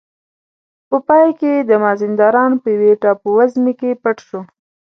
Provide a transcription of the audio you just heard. په پای کې د مازندران په یوې ټاپو وزمې کې پټ شو.